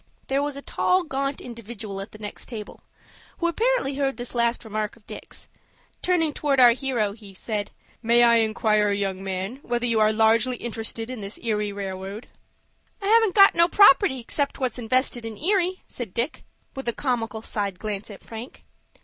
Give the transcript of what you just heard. There was a tall, gaunt individual at the next table, who apparently heard this last remark of Dick's. Turning towards our hero, he said, "May I inquire, young man, whether you are largely interested in this Erie Railroad?" "I haven't got no property except what's invested in Erie," said Dick, with a comical side glance at Frank.